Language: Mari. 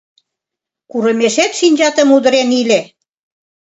Курымешет шинчатым удырен иле!..